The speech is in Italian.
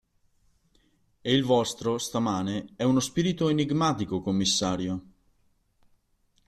E il vostro, stamane, è uno spirito enigmatico, commissario!